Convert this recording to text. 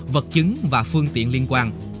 vật chứng và phương tiện liên quan